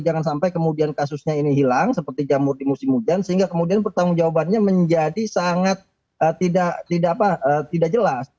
jangan sampai kemudian kasusnya ini hilang seperti jamur di musim hujan sehingga kemudian pertanggung jawabannya menjadi sangat tidak jelas